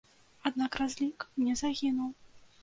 Аднак разлік не загінуў.